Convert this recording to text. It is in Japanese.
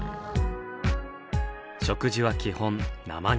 食事は基本生肉。